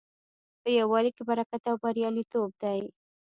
په یووالي کې برکت او بریالیتوب دی.